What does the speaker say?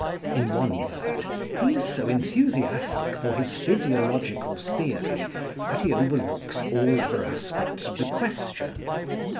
In one word, he is so enthusiastic for his physiological theory that he overlooks all other aspects of the question.